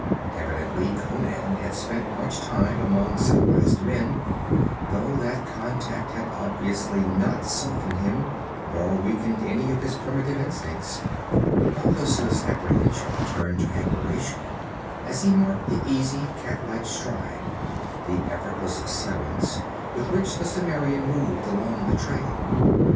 Evidently Conan had spent much time among civilized men, though that contact had obviously not softened him, nor weakened any of his primitive instincts. Balthus' apprehension turned to admiration as he marked the easy cat like stride, the effortless silence with which the Cimmerian moved along the trail.